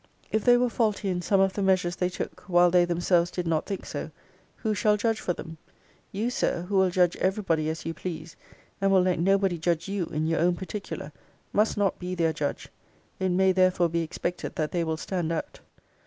If they were faulty in some of the measures they took, while they themselves did not think so, who shall judge for them? You, Sir, who will judge every body as you please, and will let nobody judge you in your own particular, must not be their judge. It may therefore be expected that they will stand out.